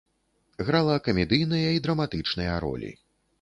Грала камедыйныя і драматычныя ролі.